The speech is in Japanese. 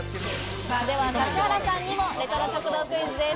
指原さんにもレトロ食堂クイズです。